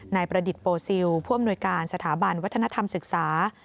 นายประดิษฐ์โปซิลผู้อำนวยการสถาบันวัฒนธรรมศึกษา